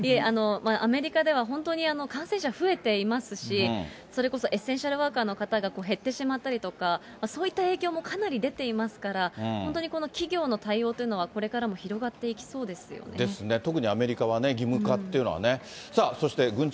アメリカでは本当に感染者増えていますし、それこそエッセンシャルワーカーの方が減ってしまったりとか、そういった影響もかなり出ていますから、本当に企業の対応というのは、これからも広がっていきそうですよね。